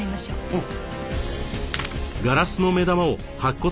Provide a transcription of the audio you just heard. うん。